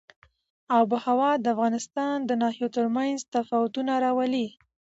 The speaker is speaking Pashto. آب وهوا د افغانستان د ناحیو ترمنځ تفاوتونه راولي.